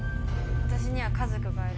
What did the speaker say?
私には家族がいる。